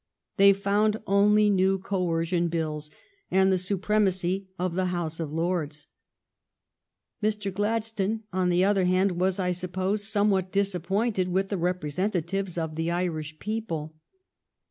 They found only new coercion bills and the supremacy of the House of Lords. Mr. Gladstone, on the other hand, was, I suppose, somewhat disappointed with the representatives of the Irish people.